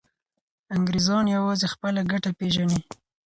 انګریزان یوازې خپله ګټه پیژني.